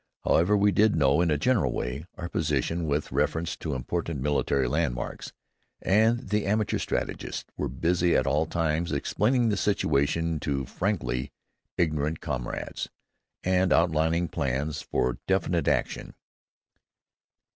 However, we did know, in a general way, our position with reference to important military landmarks, and the amateur strategists were busy at all times explaining the situation to frankly ignorant comrades, and outlining plans for definite action.